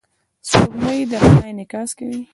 سپوږمۍ د رڼا انعکاس کوي.